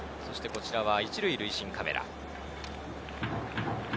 そしてこちらは１塁塁審カメラ。